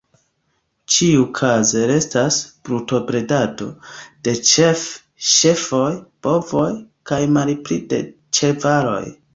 Ĉiukaze restas brutobredado de ĉefe ŝafoj, bovoj, kaj malpli de ĉevaloj.